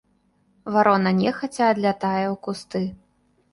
Варона нехаця адлятае ў кусты.